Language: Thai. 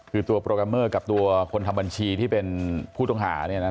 คือตัวโปรแกรมเมอร์กับตัวคนทำบัญชีที่เป็นผู้ต้องหา